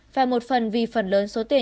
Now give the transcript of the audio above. và một phần vì phần lớn số tiền